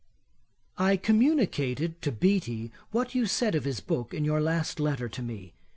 'I communicated to Beattie what you said of his book in your last letter to me.